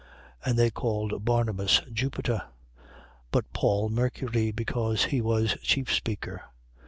14:11. And they called Barnabas, Jupiter: but Paul, Mercury: because he was chief speaker.